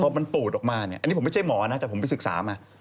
พอมันปูดออกมาเนี่ยอันนี้ผมไม่ใช่หมอนะแต่ผมไปศึกษามา